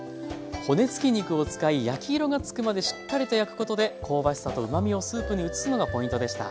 骨付き肉を使い焼き色がつくまでしっかりと焼くことで香ばしさとうまみをスープに移すのがポイントでした。